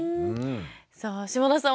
さあ嶋田さん